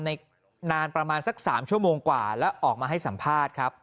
นานประมาณสัก๓ชั่วโมงกว่าแล้วออกมาให้สัมภาษณ์ครับ